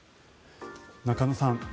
中野さん